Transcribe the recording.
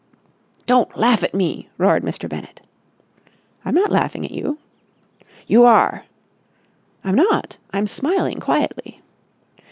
"Don't laugh at me!" roared Mr. Bennett. "I'm not laughing at you." "You are!" "I'm not! I'm smiling quietly."